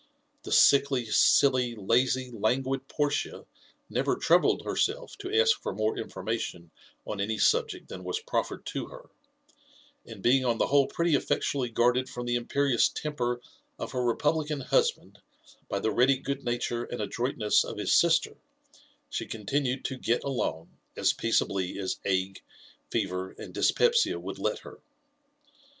The sickly, silly, lazy, languid Portia, never troubled hers(>If to ask for more information on ahy subject than was proffered to her; and being on the whole pretty effectually guarded from the imperious temper of her republican husband by the ready good nature and adroitness of his sister, she continued to get along" as peaceably as ague, fever, and dyspepsia would let her.